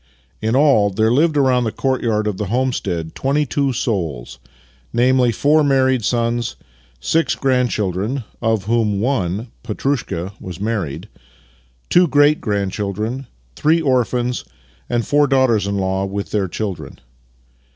In all, there lived around the courtyard of the home stead twenty two souls — namely, four married sons, six grandchildren (of \','hom one — Petrushka — was married), two great grandciiildren, three orphans, and four daughters in law, with ilieir children.